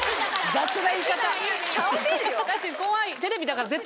雑な言い方。